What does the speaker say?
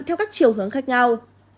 theo các chiều hướng khác nhau